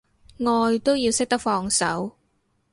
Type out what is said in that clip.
愛都要識得放手